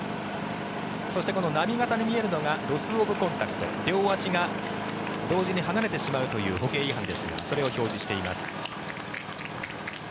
そして、波形に見えるのがロス・オブ・コンタクト両足が同時に離れてしまうという歩型違反ですがそれを表示しています。